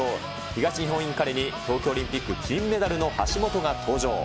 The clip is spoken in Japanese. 東日本インカレに東京オリンピック金メダルの橋本が登場。